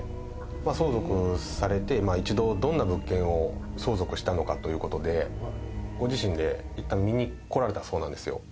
相続されて一度どんな物件を相続したのかということでご自身でいったん見にこられたそうなんですよ。